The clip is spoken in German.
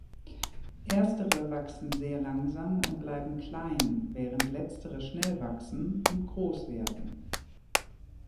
Erstere wachsen sehr langsam und bleiben klein, während letztere schnell wachsen und groß werden.